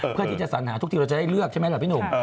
เพื่อที่จะสัญหาทุกทีเราจะได้เลือกใช่ไหมล่ะพี่หนุ่ม